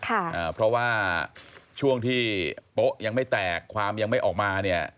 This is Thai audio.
เพราะว่าช่วงที่โป๊ะยังไม่แตกความยังไม่ออกมาเนี่ย